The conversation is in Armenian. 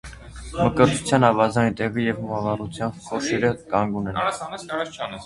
Մկրտության ավազանի տեղը և մոմավառության խորշերը կանգուն են։